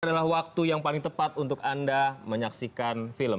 adalah waktu yang paling tepat untuk anda menyaksikan film